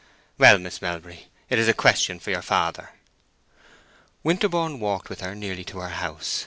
"Well, Miss Melbury, it is a question for your father." Winterborne walked with her nearly to her house.